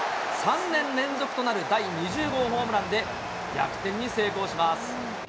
３年連続となる第２０号ホームランで、逆転に成功します。